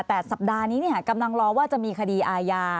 แต่สัปดาห์นี้กำลังรอว่าจะมีคดีอาญา